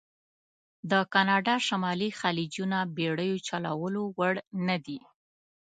د کانادا شمالي خلیجونه بېړیو چلولو وړ نه دي.